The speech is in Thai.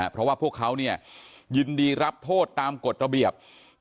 เพราะว่าพวกเขายินดีรับโทษตามกฎระเบียบ